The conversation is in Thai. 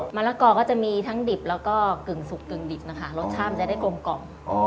มะละกอก็จะมีทั้งดิบแล้วก็กึ่งสุกกึ่งดิบนะคะรสชาติมันจะได้กลมกล่อม